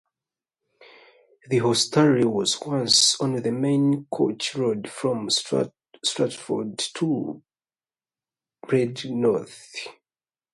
This hostelry was once on the main coach road from Stratford to Bridgnorth.